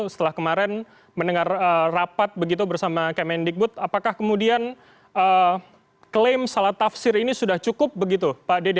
setelah kemarin mendengar rapat begitu bersama kemendikbud apakah kemudian klaim salah tafsir ini sudah cukup begitu pak dede